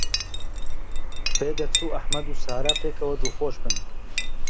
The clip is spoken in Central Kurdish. پێدەچوو ئەحمەد و سارا پێکەوە دڵخۆش بن.